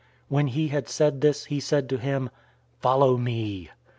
When he had said this, he said to him, "Follow me."